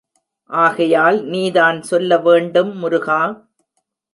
ஆகையால் நீதான் சொல்ல வேண்டும், முருகா!